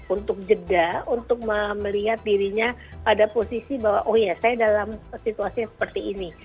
untuk jeda untuk melihat dirinya pada posisi bahwa oh ya saya dalam situasi seperti ini